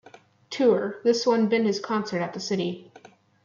Tour, This one been his concert at the city.